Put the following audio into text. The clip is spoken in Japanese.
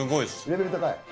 レベル高い？